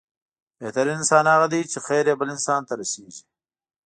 بهترين انسان هغه دی چې، خير يې بل انسان ته رسيږي.